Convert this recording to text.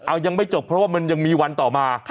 เอายังไม่จบเพราะว่ามันยังมีวันต่อมา